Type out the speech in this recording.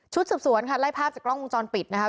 ชุดสุบสวนค่ะไล่ภาพจากกล้องกลุ่มจรปิดนะครับ